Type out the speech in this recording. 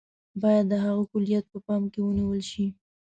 باید د هغه کُلیت په پام کې ونیول شي.